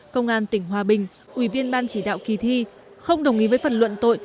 công an tỉnh hòa bình ủy viên ban chỉ đạo kỳ thi không đồng ý với phần luận tội